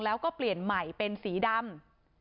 แล้วก็เปลี่ยนใหม่เป็นสีดำ